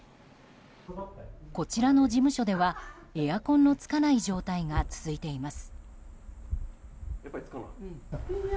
こちらの事務所ではエアコンのつかない状態が続いています。